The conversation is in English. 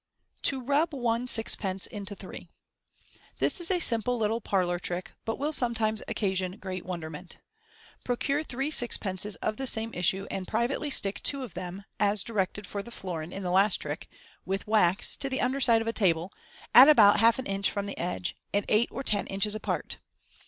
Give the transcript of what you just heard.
To rub One Sixpence into Three. — This is a simple little parlour trick, but will sometimes occasion great wonderment. Pro cure three sixpences of the same issu and privately stick two of them (as directed for the florin in the last trick) with wax to the under side of a table, at about half an inch from the edge, and eight or ten inches apart.